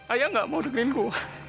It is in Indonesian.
ayah nggak mau dengerin gua